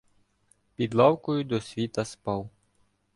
Під лавкою до світа спав.